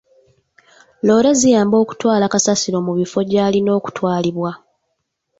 Loore ziyamba okutwala kasasiro mu bifo gy'alina okutwalibwa.